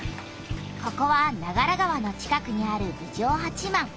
ここは長良川のちかくにある郡上八幡。